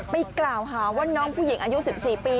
ไปกล่าวหาว่าน้องผู้หญิงอายุ๑๔ปี